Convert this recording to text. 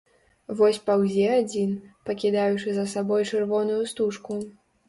Вось паўзе адзін, пакідаючы за сабой чырвоную стужку.